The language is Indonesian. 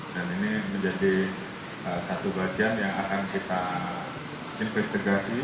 dan ini menjadi satu bagian yang akan kita investigasi